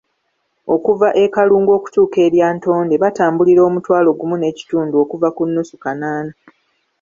Okuva e Kalungu okutuuka e Lyatonde batambulira omutwalo gumu n'ekitundu okuva ku nnusu kanaana.